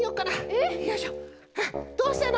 どうしたの？